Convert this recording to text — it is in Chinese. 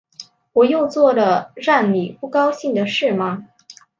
我又做了让你不高兴的事吗